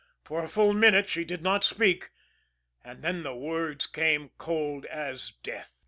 For a full minute she did not speak and then the words came cold as death.